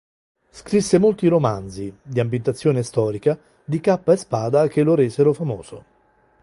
Scrisse molti romanzi, d'ambientazione storica, di cappa e spada che lo resero famoso.